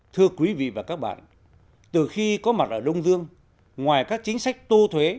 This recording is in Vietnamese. thưa quý vị và các bạn từ khi có mặt ở đông dương ngoài các chính sách tu thuế